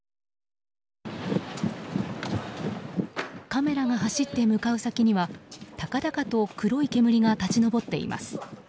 カメラが走って向かう先には高々と黒い煙が立ち上っています。